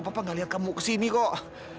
papa nggak lihat kamu ke sini kok